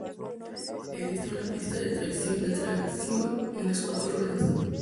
Existe una pista de tracción en las cuatro ruedas.